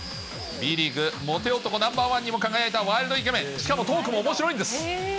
Ｂリーグモテ男ナンバー１にも輝いたワイルドイケメン、しかもトークもおもしろいんです。